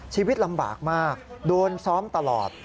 ชีวิตลำบากมากโดนซ้อมตลอด